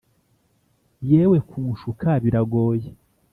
yewe kunshuka biragoye,